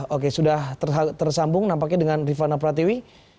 oke sudah tersambung nampaknya dengan rifana pratiwi